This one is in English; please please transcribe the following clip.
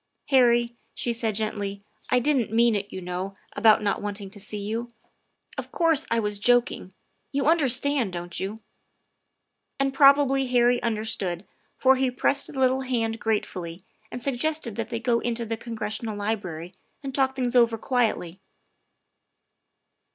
" Harry," she said gently, " I didn't mean it, you know, about not wanting to see you. Of course, I was joking. You understand, don't you?" And probably Harry understood, for he pressed the little hand gratefully and suggested that they go into the Congressional Library and talk things over quietly.